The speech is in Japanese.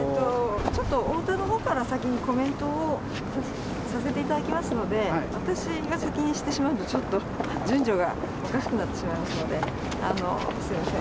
ちょっと太田のほうから先にコメントをさせていただきますので、私が先にしてしまうと、ちょっと順序がおかしくなってしまいますので、すみません。